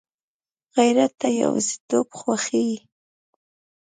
غیرت نه یوازېتوب خوښوي